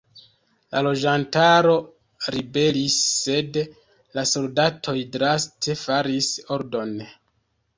La loĝantaro ribelis, sed la soldatoj draste faris ordon.